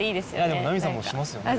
でもナミさんもしますよね？